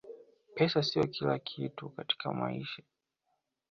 pesa siyo kila kitu katakia maisha